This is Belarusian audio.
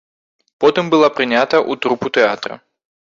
Потым была прынята ў трупу тэатра.